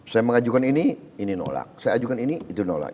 saya mengajukan ini ini nolak saya ajukan ini itu nolak